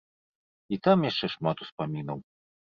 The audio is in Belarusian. І там яшчэ шмат успамінаў.